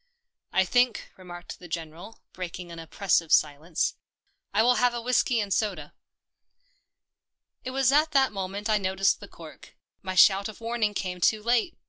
" I think," remarked the General, breaking an oppressive silence, " I will have a whiskey and soda." THE PEPNOTISED MILK 159 It was at that moment I noticed the cork. My shout of warning came too late.